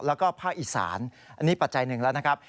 แล้วก็ภาคอีสานอันนี้ปัจจัยหนึ่งแล้วนะครับ